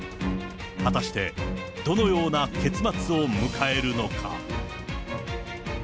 果たしてどのような結末を迎えるのか。